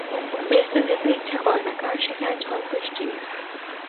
বেহেশতে যেতে ইচ্ছা করে না— কারণ সেখানে ঝড়-বৃষ্টি নেই।